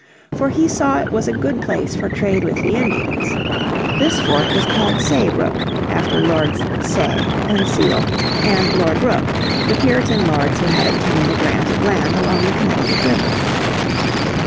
For he saw it was a good place for trade with the Indians. This fort was called SayeBrook after Lord Saye and Sele and Lord Brook, two Puritan lords who had obtained a grant of land along the Connecticut River.